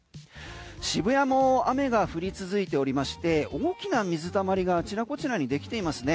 渋谷も雨が降り続いておりまして大きな水溜りがあちらこちらにできていますね。